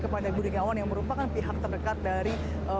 kepada bin yang merupakan pihak terdekat dari